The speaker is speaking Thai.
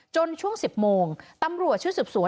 ช่วง๑๐โมงตำรวจชุดสืบสวน